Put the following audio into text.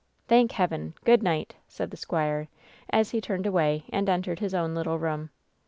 "Thank Heaven ! Good night," said the squire, as he turned away and entered his own little room.